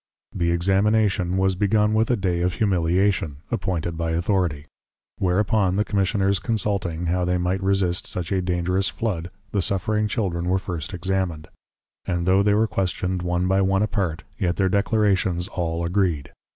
The \Examination\, was begun with a Day of \Humiliation\; appointed by Authority. Whereupon the Commissioners \Consulting\, how they might resist such a Dangerous Flood, the \Suffering Children\, were first Examined; and tho' they were Questioned \One\ by \One\ apart, yet their \Declarations All Agreed\.